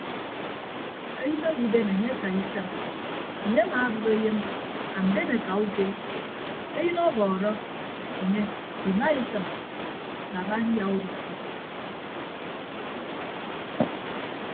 Eyịn adiben enye akaa isañ enye amaabịp eyịn amben akauke eyịn ọbọọrọ enye imaisịm baba nyaudọkkọ.